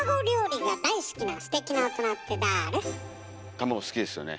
卵好きですよね？